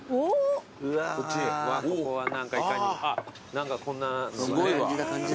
何かこんなのがね。